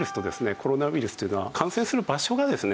コロナウイルスというのは感染する場所がですね